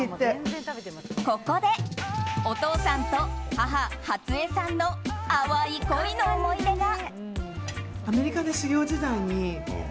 ここで、お父さんと母・初枝さんの淡い恋の思い出が。